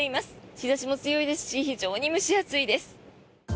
日差しも強いですし非常に蒸し暑いです。